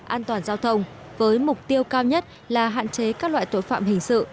an toàn giao thông với mục tiêu cao nhất là hạn chế các loại tội phạm hình sự